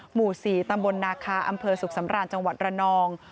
หมู่สี่ตำบลนาคอำเภอศูกสำรานจังหวัดรนอง